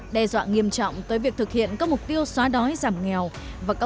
đe dọa nghiêm trọng tới việc thực hiện các mục tiêu xóa đói giảm nghèo